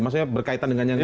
maksudnya berkaitan dengan yang